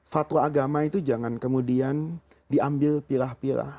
fatwa agama itu jangan kemudian dikaitkan dengan siri